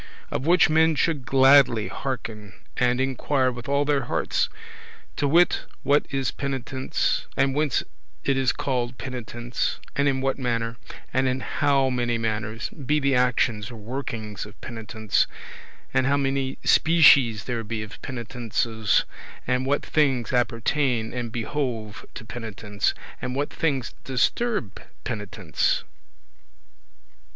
Of which men should gladly hearken and inquire with all their hearts, to wit what is penitence, and whence it is called penitence, and in what manner, and in how many manners, be the actions or workings of penitence, and how many species there be of penitences, and what things appertain and behove to penitence, and what things disturb penitence.